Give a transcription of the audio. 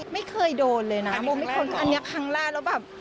ไม่เคยโดนเลยนะโมไม่ทนอันนี้ครั้งแรกแล้วแบบ